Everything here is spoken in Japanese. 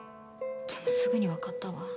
でもすぐにわかったわ。